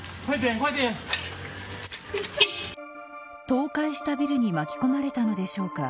倒壊したビルに巻き込まれたのでしょうか。